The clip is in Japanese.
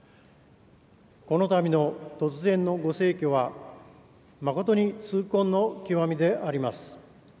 このたびの突然のご逝去は、誠に痛恨の極みであります。